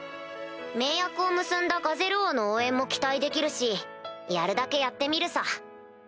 盟約を結んだガゼル王の応援も期待できるしやるだけやってみるさ。